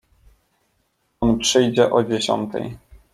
"On przyjdzie o dziesiątej."